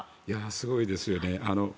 すごいですよね。